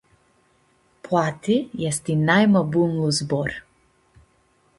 Poati easti naima bunlu zbor.